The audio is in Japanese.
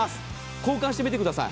交換してみてください。